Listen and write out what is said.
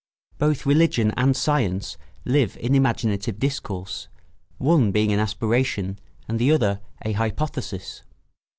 Both religion and science live in imaginative discourse, one being an aspiration and the other a hypothesis.